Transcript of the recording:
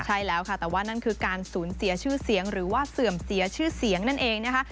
ใช่แล้วค่ะแต่ว่านั่นคือการสูญเสียชื่อเสียงหรือว่าเสื่อมเสียชื่อเสียงนั่นเองนะคะ